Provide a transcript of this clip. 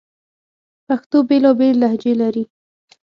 پښتو بیلابیلي لهجې لري